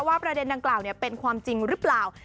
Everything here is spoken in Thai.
ประเด็นดังกล่าวเป็นความจริงหรือเปล่า